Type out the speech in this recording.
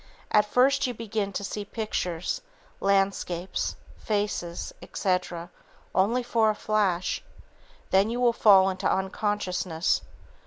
At first you begin to see pictures, landscapes, faces, etc., only for a flash. Then you will fall into unconsciousness.